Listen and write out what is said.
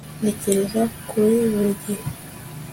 ntekereza kuri buri gihe